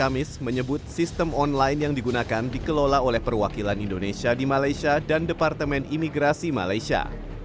kamis menyebut sistem online yang digunakan dikelola oleh perwakilan indonesia di malaysia dan departemen imigrasi malaysia